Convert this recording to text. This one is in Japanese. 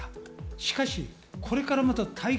しかし、これからまた大変